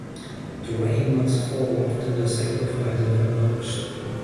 The rain must fall after the sacrifice of an ox.